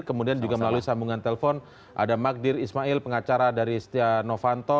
kemudian juga melalui sambungan telpon ada magdir ismail pengacara dari setia novanto